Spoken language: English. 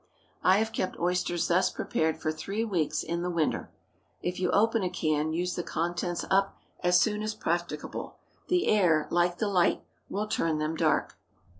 I have kept oysters thus prepared for three weeks in the winter. If you open a can, use the contents up as soon as practicable. The air, like the light, will turn them dark.